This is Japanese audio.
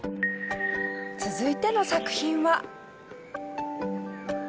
続いての作品は。